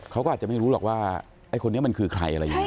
เขาก็อาจจะไม่รู้หรอกว่าไอ้คนนี้มันคือใครอะไรยังไง